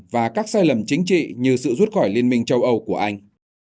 và các sai lầm chính trị như sự rút khỏi liên minh châu âu của anh